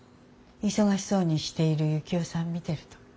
忙しそうにしている幸男さん見てると。